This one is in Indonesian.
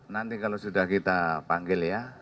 nanti kalau sudah kita panggil ya